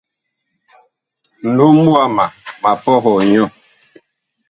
Nlom wama ma pɔhɔɔ nyɔ.